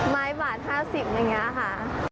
ไม้บาท๕๐เนี่ยค่ะ